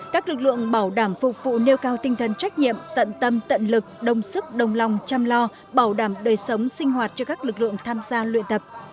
các lực lượng bảo đảm phục vụ nêu cao tinh thần trách nhiệm tận tâm tận lực đồng sức đồng lòng chăm lo bảo đảm đời sống sinh hoạt cho các lực lượng tham gia luyện tập